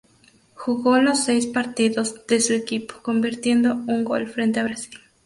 Jugó los seis partidos de su equipo, convirtiendo un gol frente a Brasil.